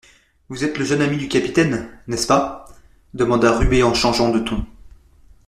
Vous êtes le jeune ami du capitaine, n'est-ce pas ? Demanda Rubé en changeant de ton.